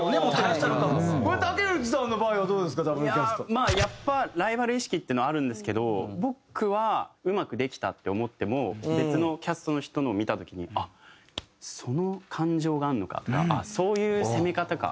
まあやっぱライバル意識っていうのはあるんですけど僕はうまくできたって思っても別のキャストの人のを見た時に「あっその感情があるのか」とか「そういう攻め方か」